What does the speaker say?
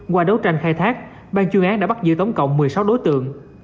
qua đấu tranh khai thác ban chuyên án đã bắt giữ tổng cộng một mươi sáu đối tượng